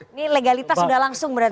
ini legalitas sudah langsung berarti